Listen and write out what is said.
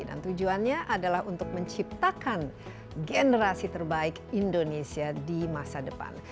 dan tujuannya adalah untuk menciptakan generasi terbaik indonesia di masa depan